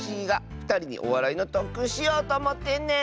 ふたりにおわらいのとっくんしようとおもってんねん！